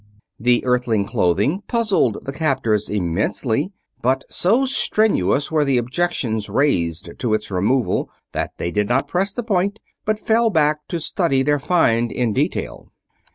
The Earthly clothing puzzled the captors immensely, but so strenuous were the objections raised to its removal that they did not press the point, but fell back to study their find in detail.